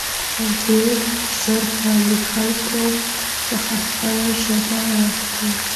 او ډېر زر به له خلکو څخه خپله ژبه واخلي.